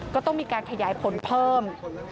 ก็ต้องมีการขยายผลเพิ่ม